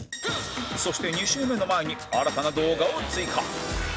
そして２周目の前に新たな動画を追加